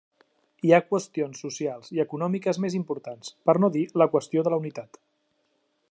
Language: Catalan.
Hi ha qüestions socials i econòmiques més importants, per no dir la qüestió de la unitat.